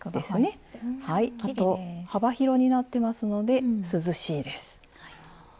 あと幅広になってますので涼しいです。